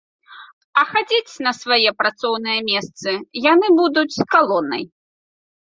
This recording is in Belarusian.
А хадзіць на свае працоўныя месцы яны будуць калонай.